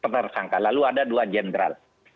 tersangka lalu ada dua jenderal